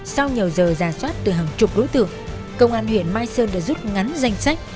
sau nhiều giờ giả soát từ hàng chục đối tượng công an huyện mai sơn đã rút ngắn danh sách